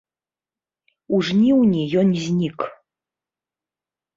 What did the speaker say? У жніўні ён знік.